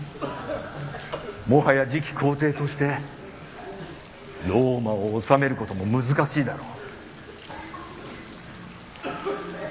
もはや次期皇帝としてローマを治めることも難しいだろう